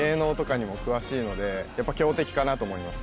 やっぱ強敵かなと思います